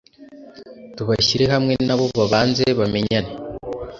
tubashyire hamwe na bo babanze bamenyane